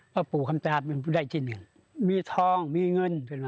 พ่อปู่คำตาเป็นผู้ใดที่หนึ่งมีทองมีเงิน